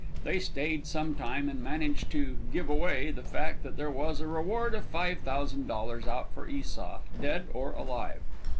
They stayed some time and managed to "give away" the fact that there was a reward of $5,000 out for Esau, dead or alive.